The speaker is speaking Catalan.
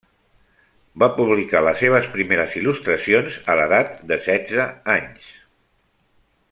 Va publicar les seves primeres il·lustracions a l'edat de setze anys.